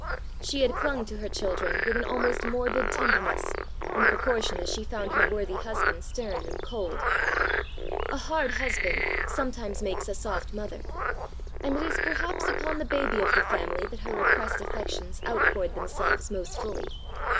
She had clung to her children with an almost morbid tenderness, in proportion as she found her worthy husband stern and cold. A hard husband sometimes makes a soft mother, and it is perhaps upon the baby of the family that her repressed affections outpoured themselves most fully.